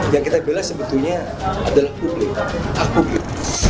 yang kita bela sebetulnya adalah publik hak publik